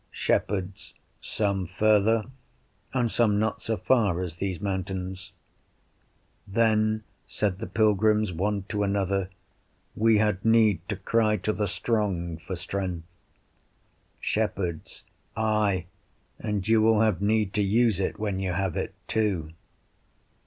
Shepherds Some further, and some not so far as these mountains. Then said the pilgrims one to another, We had need to cry to the Strong for strength. Shepherds Ay, and you will have need to use it when you have it too.